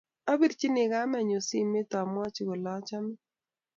Apirchini kamennyu simet amwochi kole achame